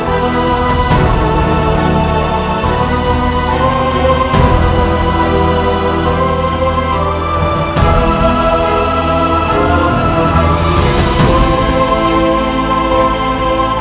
amba mohon ya allah